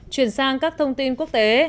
chuyển sang các thông tin quốc tế